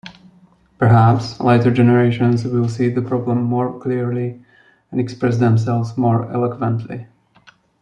Perhaps later generations will see the problem more clearly and express themselves more eloquently.